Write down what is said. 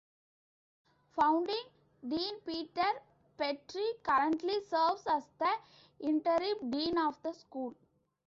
Founding dean Peter Petri currently serves as the interim dean of the school.